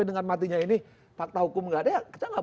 dengan matinya ini fakta hukum nggak ada